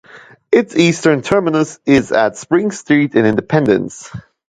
Its eastern terminus is at Spring Street in Independence.